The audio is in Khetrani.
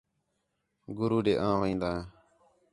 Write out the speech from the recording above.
گُرو ݙے مے وین٘داں